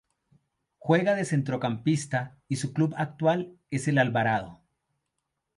Juega de centrocampista y su club actual es el Alvarado.